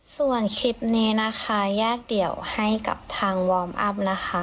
ส่วนคลิปนี้นะคะแยกเดี่ยวให้กับทางวอร์มอัพนะคะ